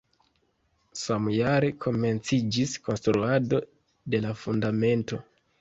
Samjare komenciĝis konstruado de la fundamento.